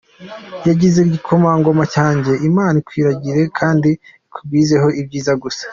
Yagize "Gikomangoma cyanjye Imana ikwiragirire kandi ikugwizeho ibyiza gusa.